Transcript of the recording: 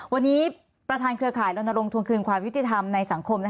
วันนี้ประธานเครือข่ายรณรงควงคืนความยุติธรรมในสังคม